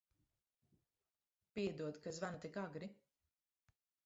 Piedod, ka zvanu tik agri.